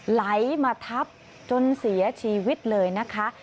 ไหลมาทับจนเสียชีวิตเลยนะคะ